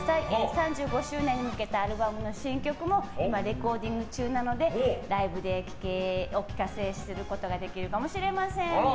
３５周年のアルバムに向けた新曲も今レコーディング中なのでライブでお聴かせすることができるかもしれません。